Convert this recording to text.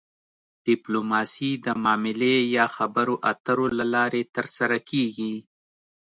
ډیپلوماسي د معاملې یا خبرو اترو له لارې ترسره کیږي